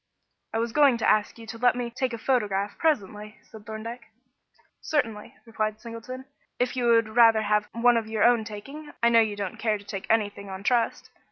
"I was going to ask you to let me take a photograph presently," said Thorndyke. "Certainly," replied Mr. Singleton, "if you would rather have one of your own taking. I know you don't care to take anything on trust.